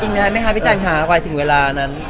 จริงเงี่ยไหมคะพี่จันถ้าไปถึงเวลานั้น